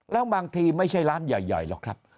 แล้วบางทีไม่ใช่ร้านใหญ่หรอกครับ